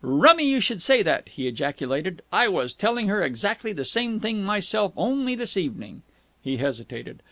"Rummy you should say that," he ejaculated. "I was telling her exactly the same thing myself only this evening." He hesitated.